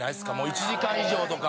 １時間以上とか。